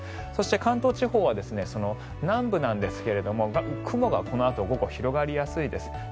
そして関東地方は南部なんですが、雲がこのあと午後広がりやすいです。